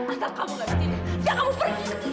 asal kamu nggak di sini jangan kamu pergi